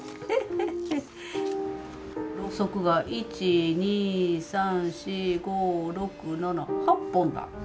ろうそくが１２３４５６７８本だ。